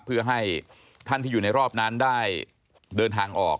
เพื่อให้ท่านที่อยู่ในรอบนั้นได้เดินทางออก